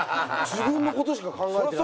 自分の事しか考えてない。